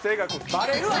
バレるわ！